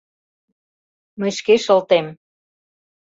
— Мый шке шылтем.